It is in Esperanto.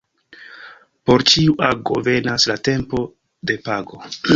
Por ĉiu ago venas la tempo de pago.